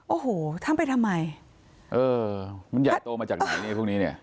โอ้โหทำไปทำไมเออมันใหญ่โตมาจากไหนนี่พวกนี้เนี่ย